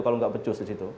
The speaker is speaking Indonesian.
kalau gak pecus disitu